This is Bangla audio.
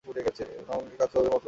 আমার অনেক রকম কাজ করবার মতলব আছে।